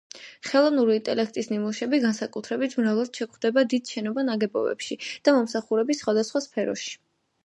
ხელოვნური ინტელექტის ნიმუშები განსაკუთრებით მრავლად შეგვხვდება დიდ შენობა-ნაგებობებში და მომსახურების სხვადასხვა სფეროში.